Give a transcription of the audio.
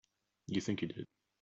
You think you did.